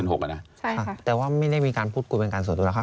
แต่ว่าไม่ได้มีการพูดคุยเป็นการส่วนตัวแล้วค่ะ